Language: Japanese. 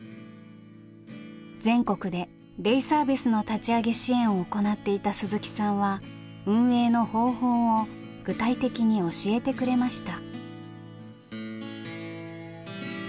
全国でデイサービスの立ち上げ支援を行っていた鈴木さんは運営の方法を具体的に教えてくれました。